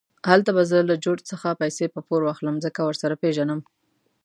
هلته به زه له جورج څخه پیسې په پور واخلم، ځکه ورسره پېژنم.